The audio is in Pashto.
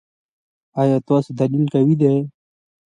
ایا ستاسو دلیل قوي دی؟